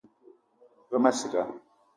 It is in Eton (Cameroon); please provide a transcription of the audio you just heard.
Ve ma ciga